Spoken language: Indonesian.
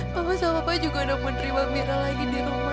mama sama papa juga udah menerima mira lagi di rumah